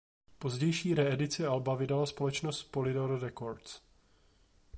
Pozdější reedici alba vydala společnost Polydor Records.